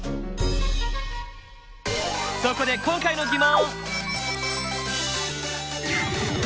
そこで今回の疑問！